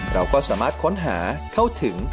เราก็สามารถค้นหาเข้าถึง